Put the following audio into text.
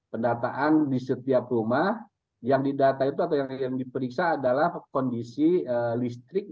pendataan di setiap rumah yang didata itu atau yang diperiksa adalah kondisi listrik